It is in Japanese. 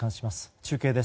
中継です。